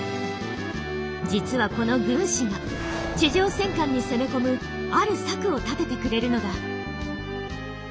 実はこの軍師が地上戦艦に攻め込むある策を立ててくれるのだ。